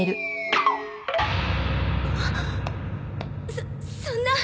そそんな。